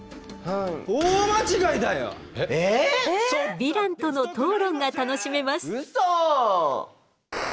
ヴィランとの討論が楽しめます。